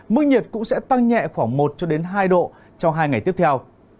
mức nhiệt cũng sẽ tăng nhẹ khoảng một hai độ trong hai ngày tiếp theo